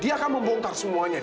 dia akan membongkar semuanya